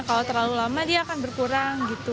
kalau terlalu lama dia akan berkurang gitu